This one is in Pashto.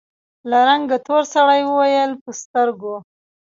له رنګه تور سړي وويل: په سترګو!